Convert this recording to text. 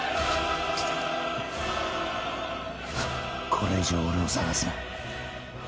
これ以上俺を捜すな。